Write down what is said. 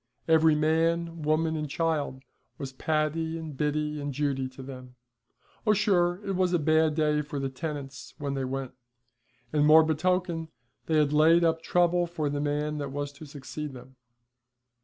Every man, woman and child was Paddy and Biddy and Judy to them. Oh, sure it was a bad day for the tenants when they went; and more betoken, they had laid up trouble for the man that was to succeed them.